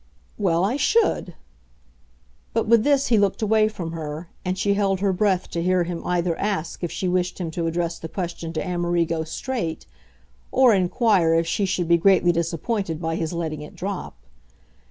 "Well, I should !" But with this he looked away from her, and she held her breath to hear him either ask if she wished him to address the question to Amerigo straight, or inquire if she should be greatly disappointed by his letting it drop.